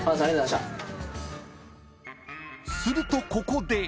［するとここで］